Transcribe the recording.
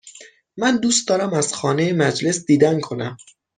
من دوست دارم از خانه مجلس دیدن کنم.